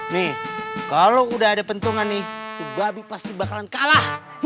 nih kalau udah ada pentungan nih babi pasti bakalan kalah